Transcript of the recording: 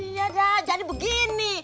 iya dah jadi begini